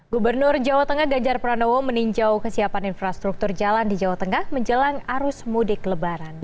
gubernur jawa tengah ganjar pranowo meninjau kesiapan infrastruktur jalan di jawa tengah menjelang arus mudik lebaran